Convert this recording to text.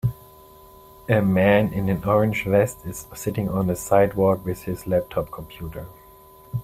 A man in an orange vest is sitting on a sidewalk with his laptop computer